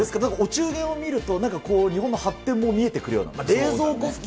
ですけど、お中元を見ると、なんかこう、日本の発展も見えてくるような。